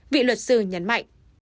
vị luật sư nhấn mạnh